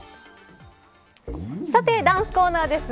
さて、ダンスコーナーです。